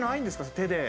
手で。